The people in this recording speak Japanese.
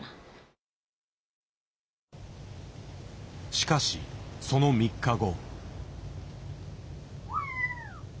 しかしその３日後。